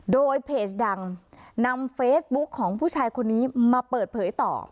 โดยเพจดังนำเฟซบุ๊คของผู้ชายคนนี้มาเปิดเผยต่อ